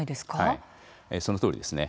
はいそのとおりですね。